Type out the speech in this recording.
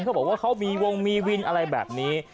เขาบอกว่าเขามีวงมีวินอะไรแบบนี้